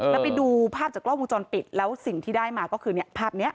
แล้วไปดูภาพจากกล้องวงจรปิดแล้วสิ่งที่ได้มาก็คือเนี่ยภาพนี้